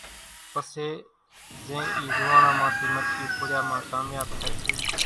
پسي زين اِي زوئاڻان مان ٿي مٽڪي ڦوڙيا مان ڪامياٻ ٿائي سي ۔